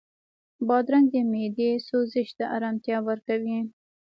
بادرنګ د معدې سوزش ته ارامتیا ورکوي.